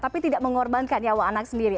tapi tidak mengorbankan nyawa anak sendiri